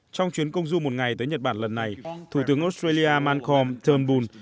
trong chuyến công du một ngày tới nhật bản lần này thủ tướng australia mancompton boone